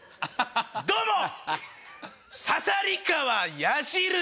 どうも！